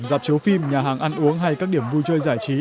dạp chấu phim nhà hàng ăn uống hay các điểm vui chơi giải trí